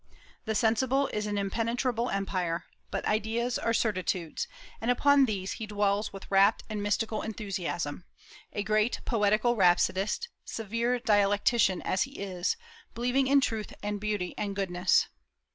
The sensible is an impenetrable empire; but ideas are certitudes, and upon these he dwells with rapt and mystical enthusiasm, a great poetical rhapsodist, severe dialectician as he is, believing in truth and beauty and goodness.